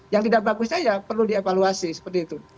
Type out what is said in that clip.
yang tidak bagus saja perlu dievaluasi seperti itu